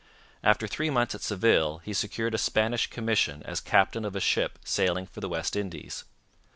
After three months at Seville he secured a Spanish commission as captain of a ship sailing for the West Indies.